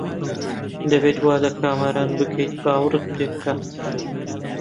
دەبێت وا لە کامەران بکەیت باوەڕت پێ بکات.